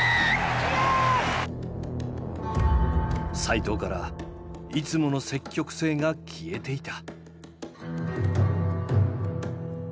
齋藤からいつもの積極性が消えていた。